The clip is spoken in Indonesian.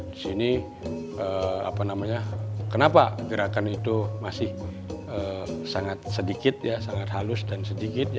di sini kenapa gerakan itu masih sangat sedikit sangat halus dan sedikit